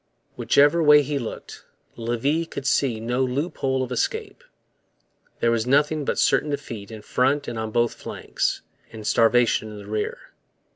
Whichever way he looked, Levis could see no loophole of escape. There was nothing but certain defeat in front and on both flanks, and starvation in the rear.